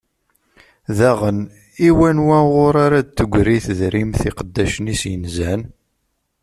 Daɣen, i wanwa uɣur ara d-teggri tedrimt n yiqeddicen-is yenzan?